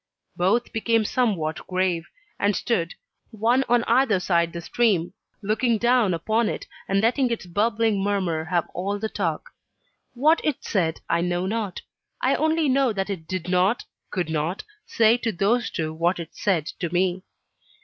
Both became somewhat grave, and stood, one on either side the stream, looking down upon it, letting its bubbling murmur have all the talk. What it said I know not: I only know that it did not, could not, say to those two what it said to me.